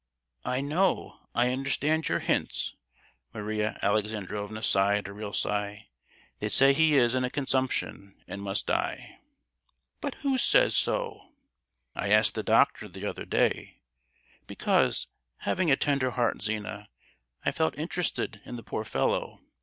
"I know, I understand your hints." Maria Alexandrovna sighed a real sigh. "They say he is in a consumption, and must die. "But who says so? "I asked the doctor the other day, because, having a tender heart, Zina, I felt interested in the poor fellow.